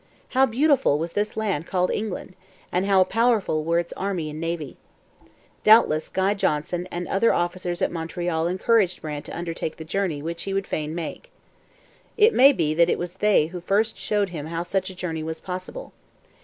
How beautiful was this land called England! and how powerful were its army and navy! Doubtless Guy Johnson and other officers at Montreal encouraged Brant to undertake the journey which he fain would make. It may be that it was they who first showed him how such a journey was possible.